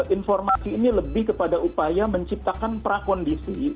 informasi ini lebih kepada upaya menciptakan prakondisi